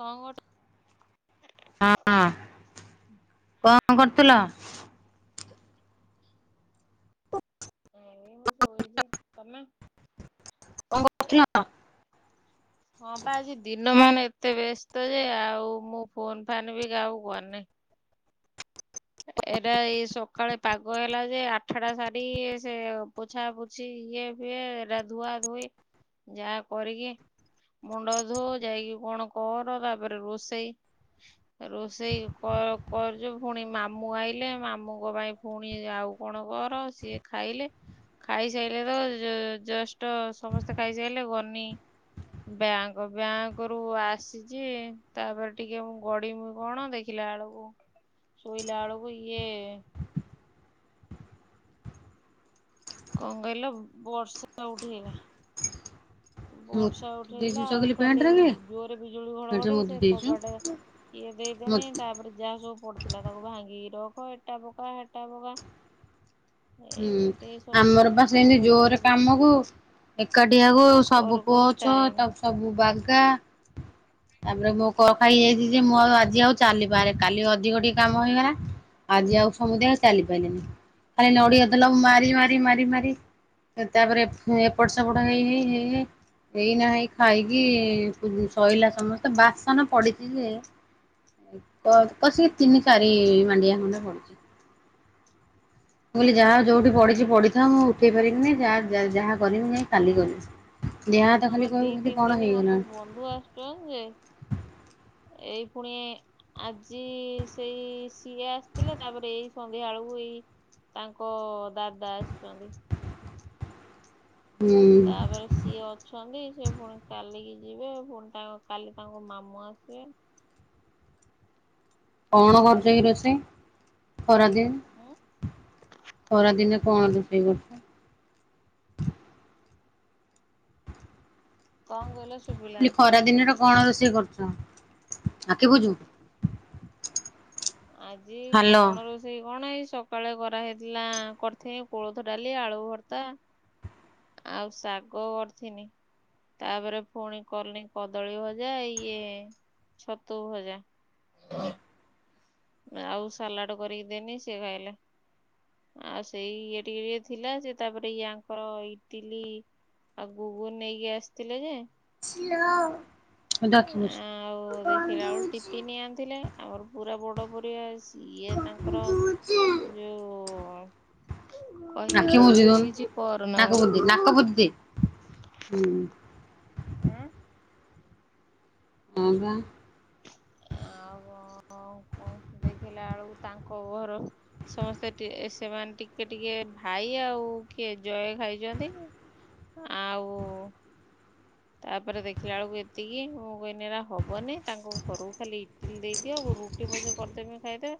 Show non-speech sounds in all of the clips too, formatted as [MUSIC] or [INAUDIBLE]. କଣ ଗୋଟ୍ [INAUDIBLE] ହଅ [INAUDIBLE] କଣ କରୁଥିଲ? ଏଇ ମୁଁ ଶୋଇଛି ତମେ? [UNINTELLIGIBLE] ହଁ ପା ଆଜି ଦିନ୍ ନ ମାନେ ଏତେ ବ୍ୟସ୍ତ ଯେ ଆଉ ମୁଁ ଫୋନ ଫାନ୍ ବି କାହାକୁ କରନି। ଏଟା ଏଇ ସକାଳେ ପାଗ ହେଲା ଯେ, ଆଠଟା ସାରି ଇଏ ସିଏ ପୋଛା ପୋଛି ଇଏ ଫିଏ, ଏଟା ଧୁଆ ଧୋଇ ଯାହା କରିକି ମୁଣ୍ଡ ଧୋ ଯାଇକି କଣ କର ତାପରେ ରୋଷେଇ, ରୋଷେଇ କର-କରଛି ପୁଣି ମାମ୍ ମୁଁ ଆଇଲେ ମାମୁଁଙ୍କ ପାଇଁ ପୁଣି ଆଉ କଣ କର, ସିଏ ଖାଇଲେ ଖାଇସାଇଲେ ତ ଜ ଜଷ୍ଟ ସମସ୍ତେ ଖାଇସାଇଲେ ଗନି ବ୍ୟାଙ୍କ ବ୍ୟାଙ୍କରୁୁ ଆସିଛି, ତାପରେ ଟିକେ ମୁଁ ଗଡିବି କଣ ଦେଖିଲାଅଳକୁ ଶୋଇଲାଳକୁ ଇଏ। କଣ କହିଲ ବର୍ଷା ଉଠେଇଲା। ବର୍ଷା ମୋତି ଦେଇଛୁ ଉଠେଇଲା ଆଉ ଚଗଲି କାଲି ପ୍ୟାଣ୍ଟରେ କି ଜୋରରେ ବିଜୁଳି ପ୍ୟାଣ୍ଟରେ ଘଡଘଡି ମୋତି ସେ ଦେଇଛୁ କବାଟ ଇଏ ଦେଇଦେନି ମୋତି ତାପରେ ଯାହା ସବୁ ପଡି ଥିଲା ତାକୁ ଭାଙ୍ଗି ରଖ ଏଟା ପକା ହେଟା ପକା। ହୁଁ ଏମିତି ସବୁ ଆମର ବା ସେମିତି ସଜାଡୁ ଜୋରେ ସଜୁଡି କାମ କୁ ଏକାଠି ଆଉ ସବୁ କରୁ କରୁ ପୋଛ ଟାଇମ ତାକୁ ସବୁ ବାଗା। ତାପରେ ମୋ କର ଖାଇ ଯାଇଛି ଯେ, ମୁଁ ଆଉ ଆଜି ଆଉ ଚାଲିିପାରୁନି କାଲି ଅଧିକଟିିକେ କାମ ହେଇଗଲା ଆଜି ଆଉ ସମୁଦାୟ ଚାଲି ପାରିଲିନି ଖାଲି ନଡିଆ ତେଲ ମାରି ମାରି ମାରି ମାରି ତାପରେ ଏପଟ ସେପଟ ହେଇ ହେଇ ହେଇ ହେଇନା ହେଇ ଖାଇକି ଶଇଲା ସମସ୍ତେ ବାସନ ପଡିଛି ଯେ କସିକି ତିନି ଚାରି ମାଣ୍ଡିଆ ଖଣ୍ଡେ ହବ ମୁଁ କହିଲି ଯାହା ଯୋଉଠି ପଢିଛି ପଢିଥାଉ ମୁଁ ଉଠେଇ ପାରିବିନି ଯାହା ଯାହା କରିବି ଯାଇ କାଲି କରିବି। ଦେହ ହାତ ଖାଲି ଆମର ଦି କହିବୁ ଖାଲି ତିନ କଣ ଦିନି ହବ ହେଇଗଲାଣି ବନ୍ଧୁ ଆସିଛନ୍ତି ଯେ ଏଇ ପୁଣି ଆଜି ସେଇ ସିଏ ଆସିଥିଲେ ତାପରେ ଏଇ ସନ୍ଧ୍ୟା ବେଳକୁ ଏଇ ତାଙ୍କ ଦାଦା ଆସିଛନ୍ତି। ହୁଁ ତାପରେ ସିଏ ଅଛନ୍ତି। ସେ ପୁଣି କାଲିକି ଯିବେ ପୁଣି ତା କାଲି ତାଙ୍କ ମାମୁଁ ଆସିବେ। କଣ କରିଚ କି ରୋଷେଇ? ଖରା ଦିନ୍ ଆଉ ଖରା ଦିନ କଣ ଦେଖେଇବ? କଣ କହିଲ ସୁ କହୁଥିଲି ଖରା ଦିନ ଟା କଣ ରୋଷେଇ କରୁଚୁ। ହଁ ଆଖି ବୁଜ। ଆଜି କଣ ରୋଷେଇ କଣ ହେଇ ସକାଳେ କରାହେଇଥିଲା କରିଥିନି କୋଳଥ ଡାଲି ଆଳୁ ଭର୍ତ୍ତା ଆଉ ଶାଗ କରିଥିନି ତାପରେ ପୁଣି କଲି କଦଳୀ ଭଜା ଇଏ ଛତୁ ଭଜା। ଆଉ ସାଲାଡ କରିକି ଦେନି ସେ ଖାଇଲେ ଆଉ ସେଇ ଇଏ ଟିକେ ଟିକେ ଥିଲା ସେ ତାପରେ ଙ୍କର ଇଟିଲି ଆଉ ଘୁଗୁନି ନେଇକି ଆସିଥିଲେ ଯେ [UNINTELLIGIBLE] ଆଖି ବୁଜ୍। ଆଉ ଦେଖିଲା ବେଳୁ ଟିପିନିଏ ଆଣିଥିଲେ। ଆମର ପୁରା ବଡ। [UNINTELLIGIBLE] ଇଏ ତାଙ୍କର ଯୋଉ କହିଲେ ଆଖି ଦେଇ ବୁଜି କହିଲେ କିଛି ଦଉନୁ କରନା ନାକ ବୋଲି ବୁଜିଦେ ନାକ ବୁଜିଦେ। ହୁଁ। ଆଁ ହଁ ପା। ହଁ କଣ ଦେଖିଲା ବେଳକୁ ତାଙ୍କ ଘର ସମସ୍ତେ ସେମାନେ ଟିକେ ଟିକେ ଭାଇ ଆଉ କିଏ ଜୟ ଖାଇଛନ୍ତି। ଆଉ ତାପରେ ଦେଖିଲା ବେଳକୁ ଏତିକି ମୁଁ କହଲି ଏରା ହବନି ତାଙ୍କ ଘରକୁ ଖାଲି ଦେଇଦିଅ ଗୁରୁ ରୁଟି ପଛେ କରିଦେବି ଖାଇଦେବେ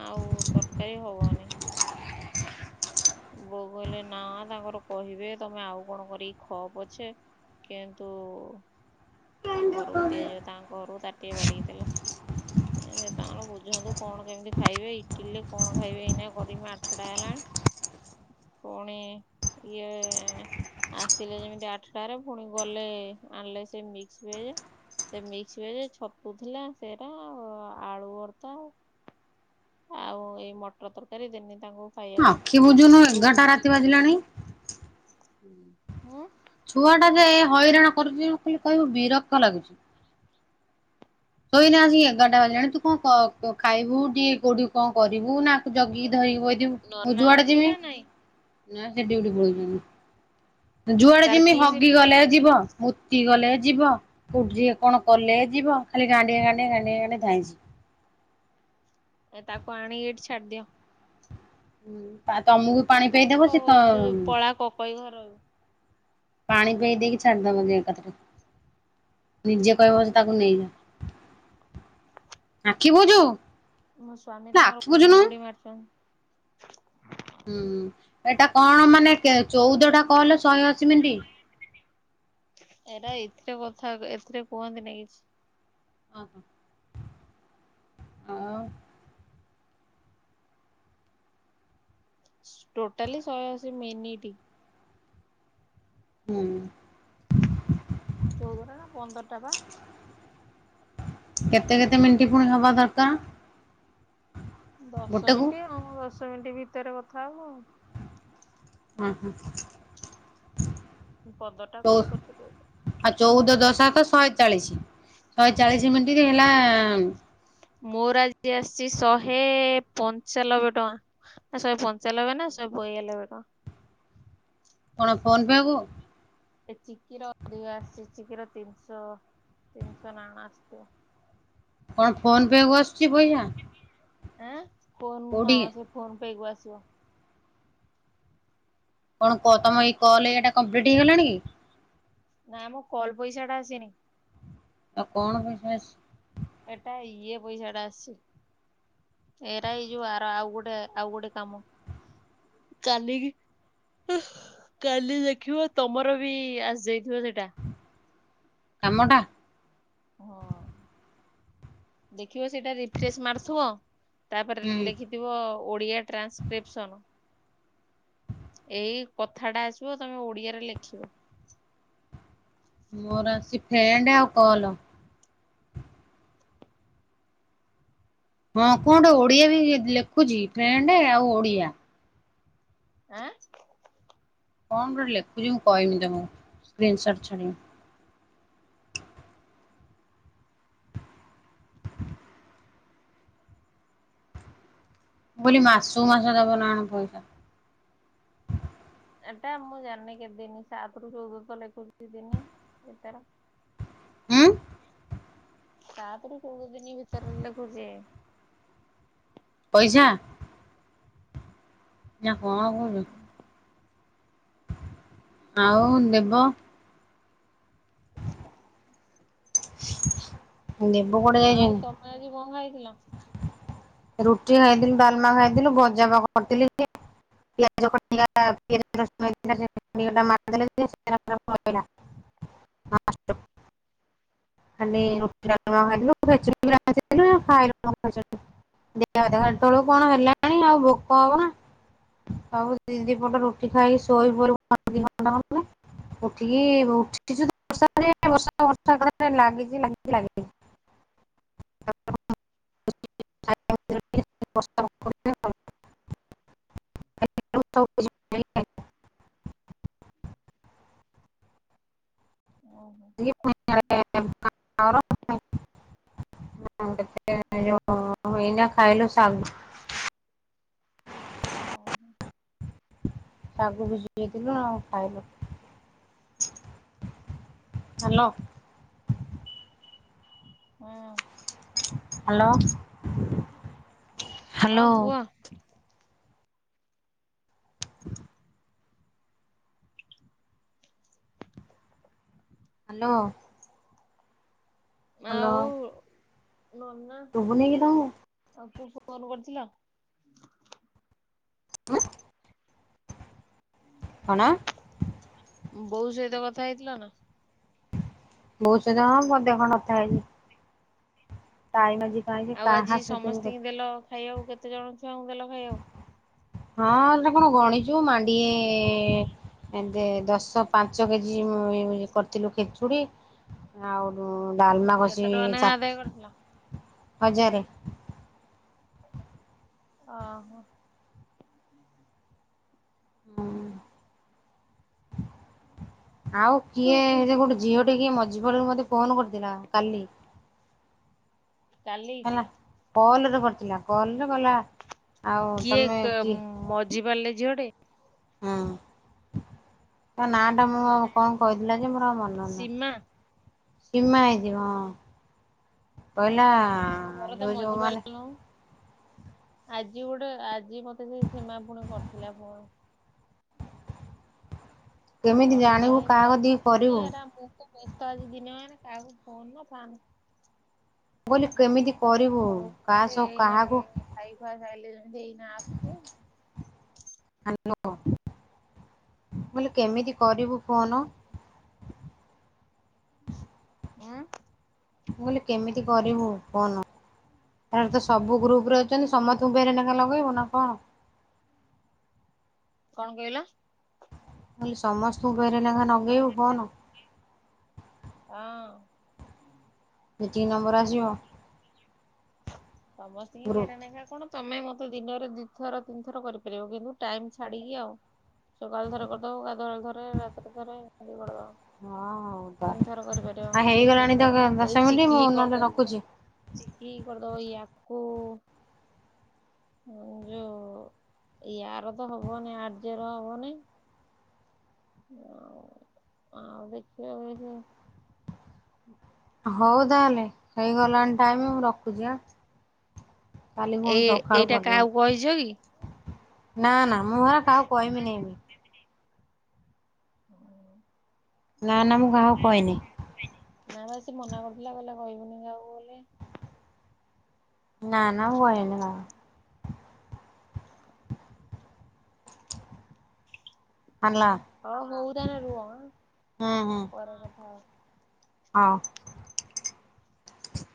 ଆଉ ତରକାରୀ ହବନି। ବୋଉ କହିଲେ ନା ତାଙ୍କର କହିବେ ତମେ ଆଉ କଣ କରିକି ଖ ପଛେ କିନ୍ତୁ ତାଙ୍କ ଘରକୁ ଦିଆଯିବ ତା ଘରୁ ତାଟିଏ ବାଢିକି ଦେଲା ସେ ତାଙ୍କର ବୁଝନ୍ତୁ କଣ କେମିତି ଖାଇବେ ଇଟିଲରେ କଣ ଖାଇବେ ଏଇନା କରିମି ଆଠଟା ହେଲାଣି, ପୁଣି ଇଏ ଆସିଲେ ଯେମିତି ଆଠଟାରେ ପୁଣି ଗଲେ ଆଣିଲେ ସେ ମୀ ମିକ୍ସ ଭେଜ୍ ସେ ମିକ୍ସ ଭେଜ୍ ଛତୁ ଥିଲା ସେରା ଆଳୁ ଭର୍ତା ଆଉ ଏଇ ମଟର ତରକାରୀ ଦେନି ତାଙ୍କୁ ଖାଇବାକୁ ଆଖି ବୁଜୁନୁ ରୁଟି ଏଗାରଟା ରାତି ବାଜିଲାଣି। ହୁଁ। ଛୁଆ ଟା ଯେ ହଇରାଣ କରୁଛି ଖାଲି କହିବୁ ବିରକ୍ତ ଲାଗୁଛି। ଶୋଇନା ଆସିକି ଏଗାରଟା ବାଜାଣି ତୁ କଣ ଖାଇବୁ ଟିକେ କୋଉଠି କଣ କରିବୁ ନା ଜଗିକି ଧରିକି ବଇଥିବୁ ମୁଁ ନନା ଯୁଆଡେ ଅଛି ଯିମି ନା ନାଇଁ ନା ସେ ଡିଉଟି ପଳାଉଛନ୍ତି। ଯୁଆଡେ ତାର ଯେମିତି କି ସିଫ୍ଟ ହଗିଗଲେ ପଡୁଛି? ଯିବ ମୁତି ଗଲେ ଯିବ କୋଉଠିି କଣ କଲେ ଯିବ ଖାଲି ଗାଣ୍ଡିଏ ଗାଣ୍ଡିଏ ଗାଣ୍ଡିଏ ଧାଇଁଛି। ଏ ତାକୁ ଆଣି କି ଏଠି ଛାଡିଦିଅ। ହୁଁ। ତା କହୁନ କ ତୁ ଯୋଉ ପଳା କ କ ଘରଉ। ପାଣି ପେଇ ଦେଇକି ଛାଡିଦବ ଯେ ଏକାଥରେ ନିଜେ କହିବ ସେ ତାକୁ ନେଇଯା ଆଖି ବୁଝୁ। ମୋ ସ୍ଵାମୀ ତାଙ୍କର ଘଙ୍ଗୁଡି ମାରୁଛନ୍ତି। [INAUDIBLE] ହୁଁ ଏଟା କଣ ମାନେ ଚଉଦ ଟା କଲ୍ ଶହେ ଅଶୀ ଏରା ମିନିଟ୍। ଏଥିରେ କଥା ଏଥିରେ କୁହନ୍ତିନି କିଛି। ଓ ହୋ। ଆଉ ଟୋଟାଲି ଶହେ ଅଶୀ ମିନିଟି। ହୁଁ। ଚଉଦ ଟ ନା ପନ୍ଦର ଟା ବା କେତେ କେତେ ମିଣ୍ଟ ପୁଣି ହବା ଦରକାର। ଦଶ ଗୋଟେକୁ ମିନିଟ ହଁ ଦଶ ମିନିଟ୍ ଭି ଭତରେ କଥା ହବ। ହୁଁ ହୁଁ। ପନ୍ଦରଟା ଚ କଲ୍ କରିପାରିବ। ଆ ଚଉଦ ଦଶା ତ ଚାଳିଶ ଶହେ ଚାଳିଶ ମନିଟ ଟା ହେଲା ମୋର ଆଜି ଆସିଛି ଶହେ ପଞ୍ଚାନବେ ଟଙ୍କା ନା ଶହେ ପଞ୍ଚାନବେ ନା ଶହେ ବୟାନବେ ଟଙ୍କା। କଣ ଫନ ପେ କୁ। ଏ ଚିକିର ଅଧିକ ଆସିଛି ଚିକିର ତିନିଶ ତିନିଶହ ନାଣ ଆସିଛି। କଣ ଫୋନ ପେ କୁ ଆସୁଛି ପଇସା। ଆଁ ଫୋନ ହଁ କୋଉଠି ସେ ଫୋନ ପେଗୁ ଆସୁ [UNINTELLIGIBLE] କଣ କହ ତମ ଏଇ କଲ୍ ଏଟା କମ୍ପ୍ଲିଟ ହେଇଗଲାଣି ନା ମ କଲ ପଇସା ଟା ଆସିନି। ଆଉ କଣ ପଇସା ଆସିଛି। ଏଟା ଇଏ ପଇସାଟା ଆସିଛି। ଏରା ଏଇ ଯୋଉ ଆର ଆଉ ଗୋଟେ ଆଉ ଗୋଟେ କାମ କାଲ କାଲି ଦେଖିବ ତମର ବି ଆସିଯାଇ କାମଡ଼ା ହଁ ଦେଖ [UNINTELLIGIBLE] ରଖିବ ସେଇଟା ରିଫ୍ରେସ ମାରୁଥିବ। ତାପରେ ହୁଁ ଲେଖିଥିବ ଓଡିଆ ଟ୍ରାନ୍ସକ୍ରିପସନ। ଏଇ କଥାଟା ଆସିବ ତମେ ଓଡିଆରେ ଲେଖିବ। ମୋର ଅସି ଫେଣ୍ଡଆଉକଲ ହଁ କଟେ ଓଡିଆ ବି ଲେଖୁଛି ଫ୍ରେଣ୍ଡ ଆଉ ଓଡିଆ। ଆଁ କଣ ଗୋଟେ ଲେଖୁଛି ମୁଁ କହମି ତମ ସ୍କ୍ରସଟ ଛାଡ଼ିବି। ମୁଁ ବୋଲି ମାସୁ ମାସ ଦେବ ନାଣ ପଇସା ଏଟା ମୁଁ ଜାେ କେଦିନି ସାତରୁ ଚଉଦ ତ କୁର୍ସି ଦିନି ଏ ତର [UNINTELLIGIBLE] ତା ତରେ କେଉଦ ଦିନ ଭିତର ଲ ଖଛିେ ପଇସା ନା କଣ କନୁ [INAUDIBLE] ଆଉ ଦେବ [INAUDIBLE] ଦେବଗଡ ଯାଇଛନ୍ତି। ଥିଲା ରୁଟି ଖାଇଥିଲୁ ଡାଲମା ଖାଇଥିଲୁ ଭଜାବ କରିଥିଲି ପିଆଜିାରଲେ [UNINTELLIGIBLE] ଖାଲି ଖୁ ଖାଇଲୁ ତଳୁ କଣ ହେଲାଣି ଆଉ ଭୋକ ହବ ନା ସବୁ ଦି ଦି ପଟ ରୁଟି ଖାଇକି ଶୋଇ ପା ଉଠିକି ଉଛୁଷଷା ବଷା [UNINTELLIGIBLE] ଲାଗିଛି ଲାଗଛି ଲାଗ [UNINTELLIGIBLE] େ [INAUDIBLE] ଏଇନା ଖାଇଲୁ ଶାଗ [UNINTELLIGIBLE] [INAUDIBLE] ଆଗ ଭୁଝେଇଥିଲୁ ଆଉ ଖାଇଲୁ ହାଲୋ ହଁ ହ୍ୟାଲୋ ହଁ କୁହ। [INAUDIBLE] ହ୍ୟାଲୋ ଆଉ। ନନା ତୁ ବୁ ନେଇକିଥା ଆଉ ଫୋନ କରିଥିଲ [INAUDIBLE] କଣ ବୋଉ ସହିତ କଥା ହେଇଥିଲା ନା। ବହୁତ ସୁଧ ହଁ ମ ଦେହ କଣ ନଥା ହେଇଛି ତାାଇ ମଝ କାଇକ କି ଆଉ ଆଜି କାହା ସେ ତ ସମସ୍ତିଙ୍କି ଦେଲ ଖାଇବାକୁ କେତେ ଜଣ ଛୁଆଙ୍କୁ ଦେଲ ଖାଇଆକୁ? ହଁ ଗୋଟେ କଣ ଗଣିଛୁ ମାଣ୍ଡିଏ ଦଶ ପାଞ୍ଚ କେଜି କରିଥିଲୁ ଖେଚୁଡ଼ି ଆଉ। ଡାଲମା ହବ କେତେ ଟଙ୍କା ସେଇ ନେଖା ସା ଆଦାୟ କରିଥିଲ? ହଜାରେ। ଓ ହୋ। ହୁଁ ଆଉ କିଏ ଜେ ଗୋଟେ ଝିଅ ଟେ ହି ମଜା ଝିଅଟି ମତେ ଫୋନ କରିଥିଲା କାଲି। [INAUDIBLE] କାଲି। କଲ ରେ କରିଥିଲା କଲ ରେ କହିଲା ଆଉ କିଏ ତମେ ମଝି ପାରିଲେ। ଝିଅଟେ ହୁଁ ତା ନା ଟା ମୁଁ କଣ କହିଥିଲା? ଜେ ମୋର ଆଉ ମାନେ ସୀମା ନାହିଁ। ସୀମା ହେଇଥିବ ହଁ। ହେଲା ତମ ଘର ତ ଯୋଉ ଯୋଉ ମାନେ। ମଝିପାଲନ ଆଜି ଗୋଟେ ଆଜି ମତେ ସେ ସୀମା ପୁଣି କରିଥିଲା ପୁଣି। କେମିତି କରିଥିଲା ଜାଣିବୁ ଏଇ କାହା କଲ କତିକି କରିବୁ ଯେ ମୁଁ ତ ମେସେଜ ତ ଆଜି ଦିନ ମାନ କାହାକୁ ଫୋନ ନା ଫାନ। କ କେମିତି କରିବୁ କାହା ଖାଇ ସହ ଏଇନା କାହାକୁ? ଖାଇ ଖୁଆ ସାଇଲେ ଏଇନା ଆସୁଛି। ନଅ [INAUDIBLE] ମୁଁ କହିଲି କେମିତି କରିବୁ ଫୋନ? [INAUDIBLE] ଉଁ। ମୁ କହିଲି କେମିତି କରିବୁ ଫୋନ, ଏ ତ ସବୁ ଗ୍ରୁପରେ ଅଛନ୍ତି, ସମସ୍ତଙ୍କୁ ଭେରାଏ ଲେଖାଏ ଲଗେଇବୁ ନା କଣ? କଣ କହିଲ? କଲେ ସମସ୍ତଙ୍କୁ ଭେରାଏ ଲେଖା ଲଗେଇବୁ ଫୋନ। [INAUDIBLE] ହଁ। ଯେତିକି ନମ୍ବର ଆସିବ। ସମସ୍ତି ଙ୍କୀ ଗ୍ରୁପ ଭେରାଏ ଲେଖାଏ କଣ ତମେ ମତେ ଦିନରେ ଦିଥର ତିନି ଥର କରିପାରିବ କିନ୍ତୁ ଟାଇମ ଛାଡ଼ିକି ଆଉ ସକାଳୁ ଥର କରିଦବ, ଗାଧୁଆଳ ଥରେ, ରାତିରେ ଥରେ, ଏମିତି କରିଦବ। ହଁ ହଉ ତିନି ଥର ତାହାଲେ କରିପାରିବ ଆ ଦି ତିନି ହେଇଗଲାଣି ତ ଥର ଏଇ ଦଶ ମିନିଟ ଚିକି ମୁଁ ନହେଲେ ରଖୁଛି। ଇଆ ଓ [INAUDIBLE] ଯୋଉ ଇୟାର ତ ହବନି ଆର୍ଯ୍ୟର ହବନି। [INAUDIBLE] ହ ଆଉ ଦେଖିବା ଦେଖ। ହଉ ତାହେଲେ ହେଇଗଲାଣି ଟାଇମ ମୁ ରଖୁଛି ଆ। ଏଇ ଏଇଟା କାହାକୁ କହିଚ କି? ନା ନା ମୁଁ ହେରା କାହାକୁ କହବି ନାଇଁ ଏଇନେ। ନାଁ ନାଁ ମୁଁ କାହାକୁ କହିନି। ନା ବା ମନା କରୁଥିଲା କହିଲା କହିବୁନି କାହାକୁ ବୋଲି। ନା ନା ମୁଁ କହିବିନି କାହାକୁ। ହେଲା ହଁ ହଉ ତାହାଲେ ରୁହ ପରେ କଥା ହବା। ହଁ